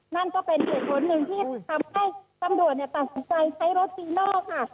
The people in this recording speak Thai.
นั่นก็เป็นเหตุผลหนึ่งที่ทำให้ตำรวจตัดสินใจใช้รถจีโน่ค่ะ